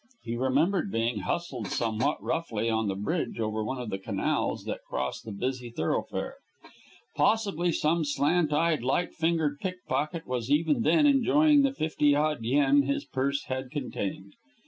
He remembered being hustled somewhat roughly on the bridge over one of the canals that cross that busy thoroughfare. Possibly some slant eyed, light fingered pickpocket was even then enjoying the fifty odd yen his purse had contained.